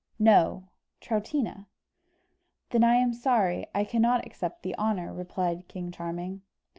"No, Troutina." "Then I am sorry I cannot accept the honour," replied King Charming.